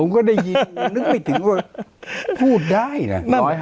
ก็ได้ยินนึกไม่ถึงว่าพูดได้นะ